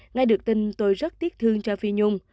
nghe được tin tôi rất tiếc thương cho phi nhung